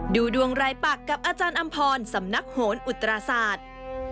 ดูดวงรายปักกับอาจารย์อำพรสำนักโหนอุตราศาสตร์